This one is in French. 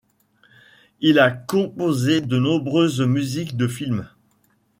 Il a composé de nombreuses musiques de film.